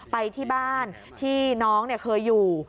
ไปที่บ้านที่น้องเคยอยู่